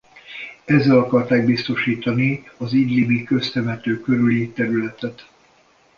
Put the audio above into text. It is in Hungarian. Ezzel akarták biztosítani az Idlibi Köztemető körüli területet.